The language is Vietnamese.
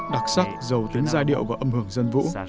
đặc sắc giàu tính giai điệu và âm hưởng dân vũ